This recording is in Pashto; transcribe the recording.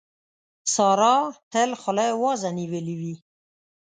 سارا تل خوله وازه نيولې وي.